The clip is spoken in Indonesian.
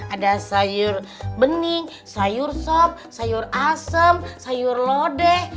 ada sayur bening sayur sop sayur asem sayur lodeh